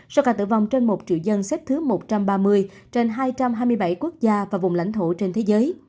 số ca tử vong trên một triệu dân xếp thứ một trăm ba mươi trên hai trăm hai mươi bảy quốc gia và vùng lãnh thổ trên thế giới